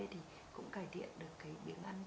thì cũng cải thiện được cái biếng ăn